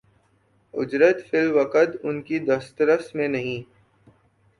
اجرت فی الوقت ان کی دسترس میں نہیں